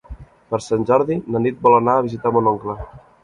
Per Sant Jordi na Nit vol anar a visitar mon oncle.